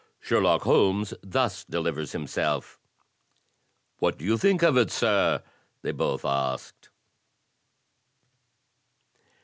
Sherlock Holmes thus delivers himself: "What do you think of it, sir?" they both asked.